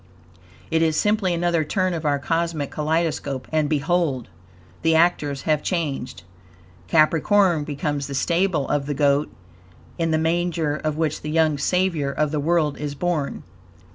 It is simply another turn of our cosmic kaleidoscope, and behold! the actors have changed. Capricorn becomes the stable of the Goat, in the manger of which the young Savior of the world is born.